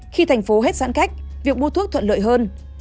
khi thành phố hết giãn cách việc mua thuốc thuận lợi hơn